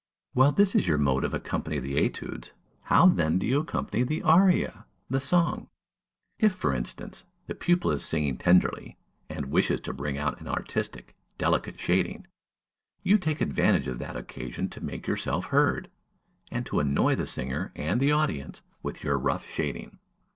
While this is your mode of accompanying the études, how then do you accompany the aria, the song? If, for instance, the pupil is singing tenderly, and wishes to bring out an artistic, delicate shading, you take advantage of that occasion to make yourself heard, and to annoy the singer and the audience with your rough shading.